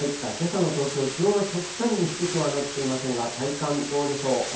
けさの東京、気温は極端に低くはなっていませんが、体感、どうでしょう。